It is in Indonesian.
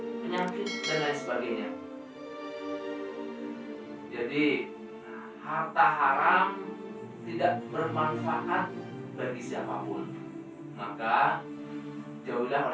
penyakit dan lain sebagainya jadi harta haram tidak bermanfaat bagi siapapun maka jauhilah